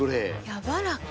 やわらか。